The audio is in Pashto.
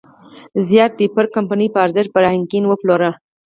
زیات د بیر کمپنۍ په ارزښت پر هاینکن وپلوره.